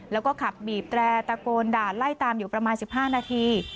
แล้วก็ขับบีบแตรตะโกนด่าไล่ตามอยู่ประมาณ๑๕นาที